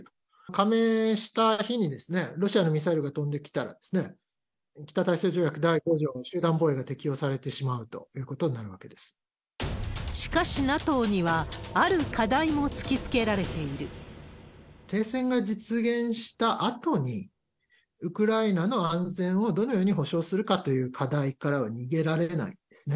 加盟した日に、ロシアのミサイルが飛んできたら、北大西洋条約第５条の集団防衛が適用されてしまうということになしかし、ＮＡＴＯにはある課停戦が実現したあとに、ウクライナの安全をどのように保障するかという課題からは逃げられないんですね。